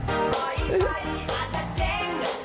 ก่อนอีกหลายอาจจะเจ้ง